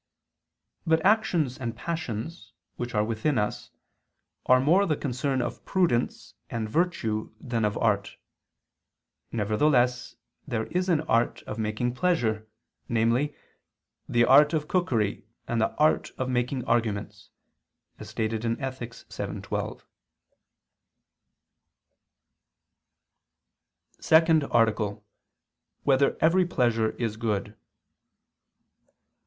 But actions and passions, which are within us, are more the concern of prudence and virtue than of art. Nevertheless there is an art of making pleasure, namely, "the art of cookery and the art of making arguments," as stated in Ethic. vii, 12. ________________________ SECOND ARTICLE [I II, Q. 34, Art. 2] Whether Every Pleasure Is Good?